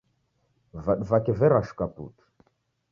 Vadu vake verashuka putu.